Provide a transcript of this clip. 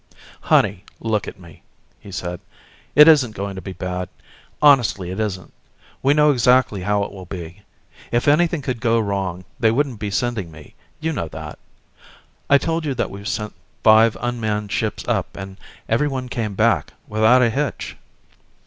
"Honey, look at me," he said. "It isn't going to be bad. Honestly it isn't. We know exactly how it will be. If anything could go wrong, they wouldn't be sending me; you know that. I told you that we've sent five un manned ships up and everyone came back without a hitch."